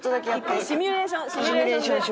１回シミュレーションシミュレーションで。